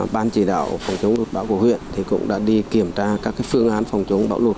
ban chỉ đạo phòng chống lụt bão của huyện cũng đã đi kiểm tra các phương án phòng chống bão lụt